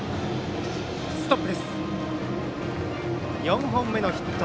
４本目のヒット。